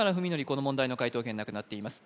この問題の解答権なくなっています